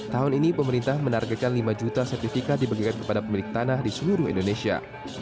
tahun ini pemerintah menargetkan lima juta sertifikat dibagikan kepada pemilik tanah di seluruh indonesia